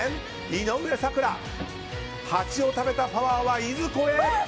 井上咲楽、ハチを食べたパワーはいずこへ？